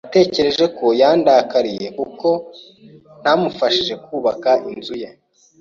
Natekereje ko yandakariye kuko ntamufashije kubaka inzu ye.